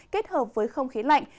kết hợp với không khí lạnh